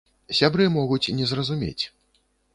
Сябры могуць не зразумець.